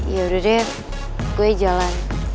ya udah deh gue jalan